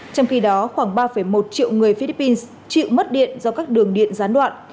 trong khi đó khoảng ba một triệu người philippines chịu mất điện do các đường điện gián đoạn